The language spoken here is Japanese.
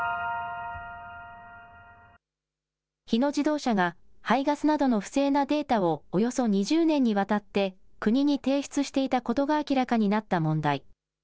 日野自動車が排ガスなどの不正なデータをおよそ２０年にわたって国に提出していたことが明らかになった問題。